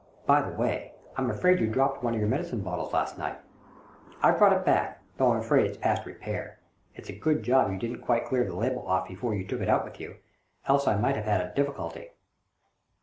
By the way, I'm afraid you dropped one of your medicine bottles last night. I've brought it back, though I'm afraid it's past repair. It's a good job you didn't quite clear the label off before you took it out with you, else I might have had a difficulty."